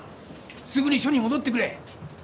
すぐに署に戻ってくれ！